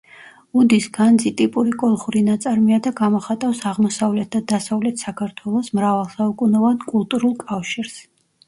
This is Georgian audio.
უდის განძი ტიპური კოლხური ნაწარმია და გამოხატავს აღმოსავლეთ და დასავლეთ საქართველოს მრავალსაუკუნოვან კულტურულ კავშირს.